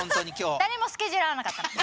誰もスケジュール合わなかったの。